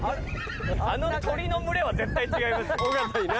あの鳥の群れは絶対違いますね。